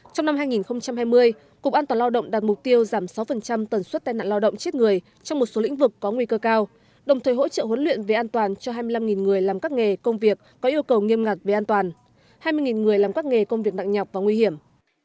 trong năm hai nghìn hai mươi cục an toàn lao động đạt mục tiêu giảm sáu tần suất tai nạn lao động chết người trong một số lĩnh vực có nguy cơ cao đồng thời hỗ trợ huấn luyện về an toàn cho hai mươi năm người làm các nghề công việc có yêu cầu nghiêm ngặt về an toàn hai mươi người làm các nghề công việc nặng nhọc và nguy hiểm